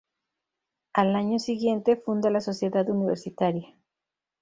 Al año siguiente funda la Sociedad Universitaria.